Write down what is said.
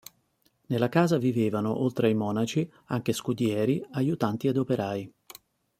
Nella casa vivevano, oltre ai monaci, anche scudieri, aiutanti ed operai.